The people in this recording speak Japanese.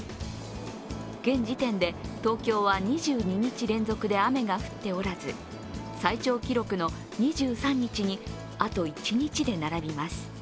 現時点で東京は２２日連続で雨が降っておらず、最長記録の２３日にあと１日で並びます。